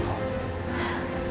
apapun yang terjadi